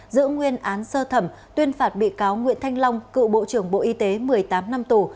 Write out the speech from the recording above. giữ nguyên án sơ thẩm tuyên phạt bị cáo nguyễn thanh long cựu bộ trưởng bộ y tế một mươi tám năm tù